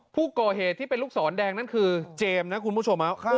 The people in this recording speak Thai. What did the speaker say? ผู้ก่อเหตุที่เป็นลูกศรแดงนั่นคือเจมส์นะคุณผู้ชม